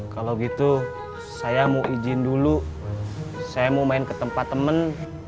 kalau gitu saya mau izin dulu saya mau main ke tempat temen